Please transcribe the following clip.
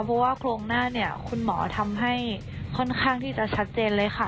เพราะว่าโครงหน้าเนี่ยคุณหมอทำให้ค่อนข้างที่จะชัดเจนเลยค่ะ